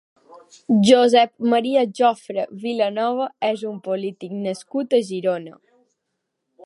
Josep Maria Jofre Vilanova és un polític nascut a Girona.